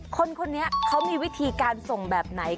คนนี้เขามีวิธีการส่งแบบไหน